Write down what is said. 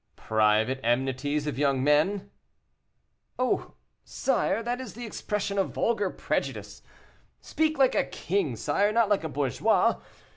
"Private enmities of young men?" "Oh! sire, that is the expression of vulgar prejudice; speak like a king, sire, not like a bourgeois.